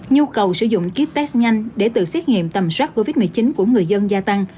nhu cầu sử dụng kít test nhanh để tự xét nghiệm tầm soát covid một mươi chín của người dân gia tăng